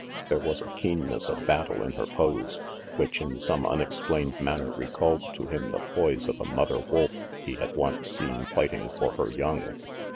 There was a keenness of battle in her pose, which in some unexplained manner recalled to him the poise of a mother wolf he had once seen fighting for her young.